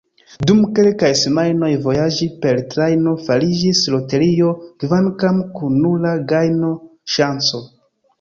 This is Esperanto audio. Dum kelkaj semajnoj vojaĝi per trajno fariĝis loterio – kvankam kun nula gajno-ŝanco.